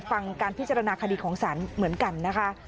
ฟังการพิจารณาคดีของศาลเหมือนกันนะคะ